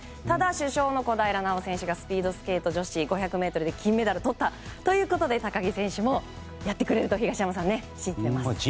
ただ、主将の小平奈緒選手がスピードスケート女子５００ｍで金メダルをとったということで高木選手もやってくれると東山さん、信じてます。